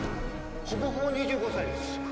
ほぼほぼ２５歳です。